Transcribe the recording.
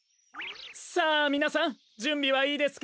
さあみなさんじゅんびはいいですか？